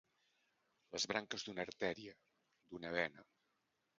Les branques d'una artèria, d'una vena.